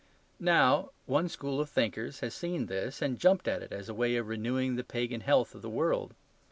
Now, one school of thinkers has seen this and jumped at it as a way of renewing the pagan health of the world.